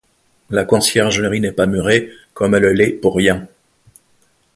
La Conciergerie n’est pas murée comme elle l’est pour rien.